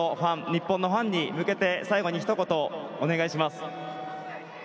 日本のファンに向けて最後ひと言お願いします。